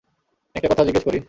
একটা কথা জিজ্ঞেস করি?